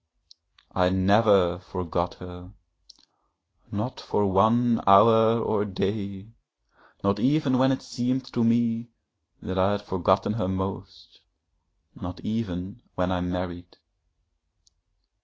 I never forgot her, not for one hour or day, not even when it seemed to me that I had forgotten her most, not even when I married.